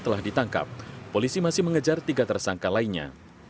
setelah ditangkap polisi masih mengejar tiga tersangka lainnya